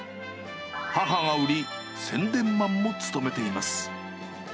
母が売り、宣伝マンも務めています。